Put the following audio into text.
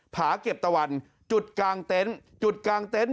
ผาเก็บตะวันจุดกลางเต็นต์จุดกลางเต็นต์